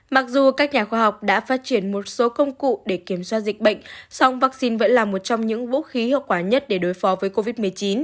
mặc dù các nhà khoa học đã phát triển một số công cụ để kiểm soát dịch bệnh song vaccine vẫn là một trong những vũ khí hiệu quả nhất để đối phó với covid một mươi chín